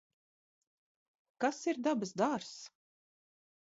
Kas ir dabas dārzs?